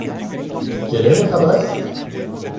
Quelle est votre adresse ?